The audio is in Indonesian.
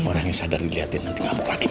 orang yang sadar diliatin nanti gamuk lagi pak